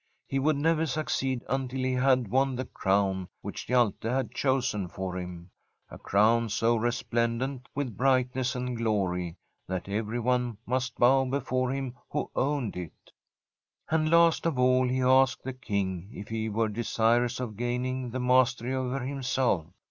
He would never succeed until he had won the crown which Hjalte had chosen for him, a crown so resplend ent with brightness and glory that everyone must bow before him who owned it. And last of all he asked the King if he were desirous of gaining the mastery over himself.